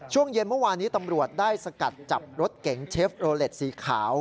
ช่วงเย็นเมื่อวานนี้ตำรวจได้สกัดจับรถเก๋งเชฟโรเล็ตสีขาว